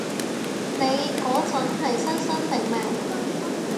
你嗰陣係新生定咩？